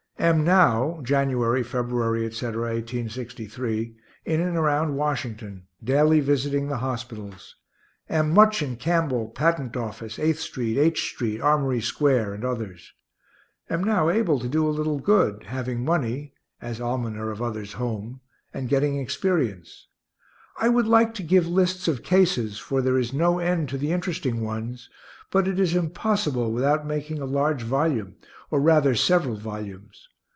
Am now (January, February, etc., 1863) in and around Washington, daily visiting the hospitals. Am much in Campbell, Patent office, Eighth street, H street, Armory square, and others. Am now able to do a little good, having money (as almoner of others home), and getting experience. I would like to give lists of cases, for there is no end to the interesting ones; but it is impossible without making a large volume, or rather several volumes.